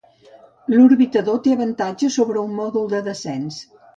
L'orbitador té avantatges sobre un mòdul de descens.